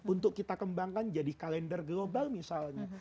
untuk kita kembangkan jadi kalender global misalnya